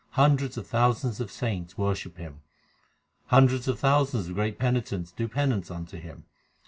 Hundreds of thousands of saints worship Him. Hundreds of thousands of great penitents do penance unto Him.